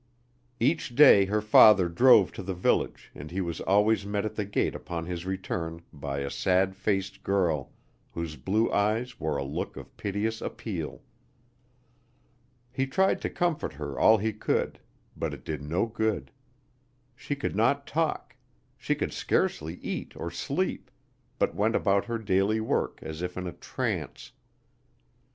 Each day her father drove to the village and he was always met at the gate upon his return by a sad faced girl whose blue eyes wore a look of piteous appeal. He tried to comfort her all he could; but it did no good. She could not talk; she could scarcely eat or sleep, but went about her daily work as if in a trance.